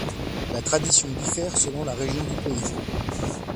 La tradition diffère selon la région du pays.